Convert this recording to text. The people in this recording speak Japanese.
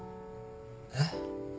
えっ？